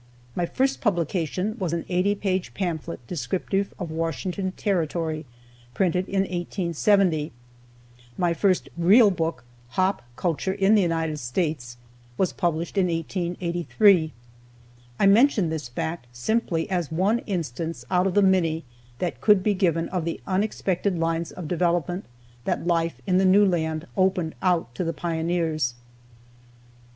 My first publication was an eighty page pamphlet descriptive of Washington Territory, printed in 1870. My first real book, Hop Culture in the United States, was published in 1883. I mention this fact simply as one instance out of the many that could be given of the unexpected lines of development that life in the new land opened out to the pioneers.